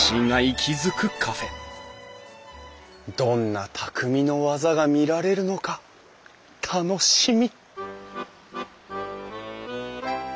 どんな匠の技が見られるのか楽しみ！